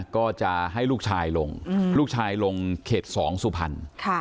ก็จะให้ลูกชายลงลูกชายลงเขต๒สุพรรณ